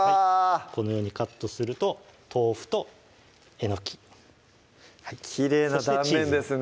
このようにカットすると豆腐とえのききれいな断面ですね